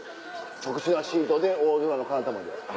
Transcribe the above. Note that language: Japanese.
特殊なシートで大空の彼方まで⁉」。